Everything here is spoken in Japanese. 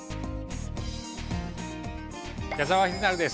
矢澤秀成です。